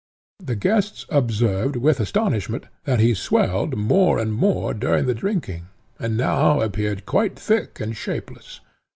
The guests observed with astonishment that he swelled more and more during the drinking, and now appeared quite thick and shapeless.